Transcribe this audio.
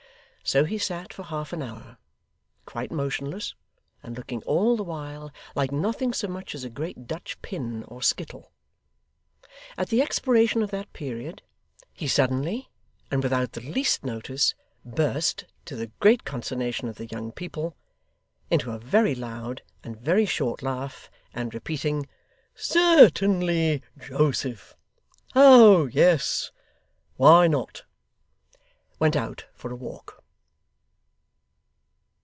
So he sat for half an hour, quite motionless, and looking all the while like nothing so much as a great Dutch Pin or Skittle. At the expiration of that period, he suddenly, and without the least notice, burst (to the great consternation of the young people) into a very loud and very short laugh; and repeating, 'Certainly, Joseph. Oh yes! Why not?' went out for a walk.